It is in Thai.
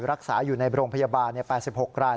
รักษาอยู่ในโรงพยาบาล๘๖ราย